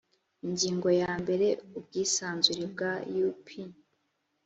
ingingo ya mbere ubwisanzure bwa up